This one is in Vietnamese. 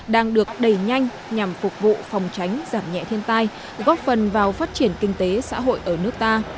đang được đẩy nhanh nhằm phục vụ phòng tránh giảm nhẹ thiên tai góp phần vào phát triển kinh tế xã hội ở nước ta